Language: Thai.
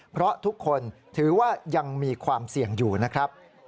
เพราะทุกคนถือว่ายังมีความเสี่ยงอยู่นะครับ